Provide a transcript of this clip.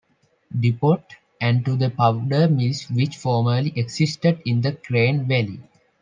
Depot, and to the powder mills which formerly existed in the Crane Valley.